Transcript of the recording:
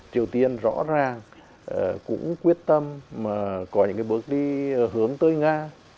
triều tiên rõ ràng cũng quyết tâm mà có những bước đi hướng tới nga